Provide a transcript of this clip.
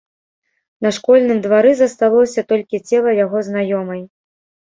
На школьным двары засталося толькі цела яго знаёмай.